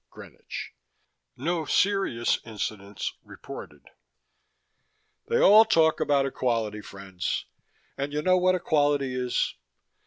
(Greenwich), no serious incidents reported. They all talk about equality, friends, and you know what equality is?